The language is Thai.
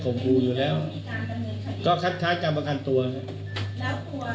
ขมครูอยู่แล้วก็คัดท้ายกรรมคันตัวนะครับ